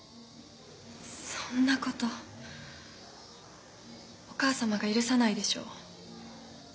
そんなことお母様が許さないでしょ。